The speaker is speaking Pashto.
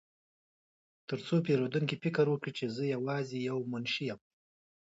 ترڅو پیرودونکي فکر وکړي چې زه یوازې یو منشي یم